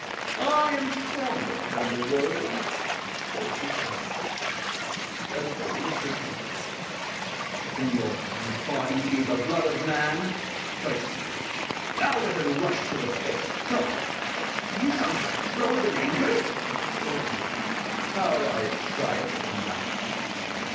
I am stronger than the world. [Folds his arms.] REDFEATHER [lifts his hand]. If in your body be the blood of man, [Strikes him.] Now let it rush to the face God! Have you sunk Lower than anger? LORD ORM. How I triumph now.